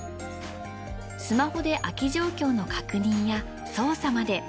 スマホで空き状況の確認や操作まで。